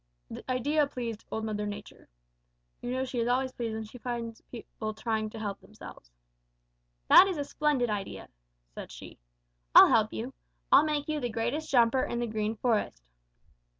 The idea pleased Old Mother Nature. You know she is always pleased when she finds people trying to help themselves. "'That's a splendid idea,' said she. 'I'll help you. I'll make you the greatest jumper in the Green Forest.'